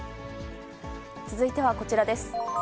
続いてはこちらです。